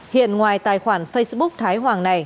hiện ngoài tài khoản facebook thái hoàng này